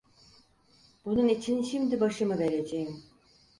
Bunun için şimdi başımı vereceğim…